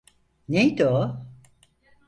Neydi o?